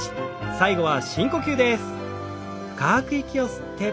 最後は深呼吸です。